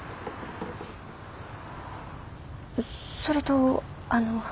それとあの。